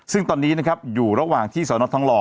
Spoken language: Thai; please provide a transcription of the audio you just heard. ซึ่งตอนนี้นะครับอยู่ระหว่างที่สนทองหล่อ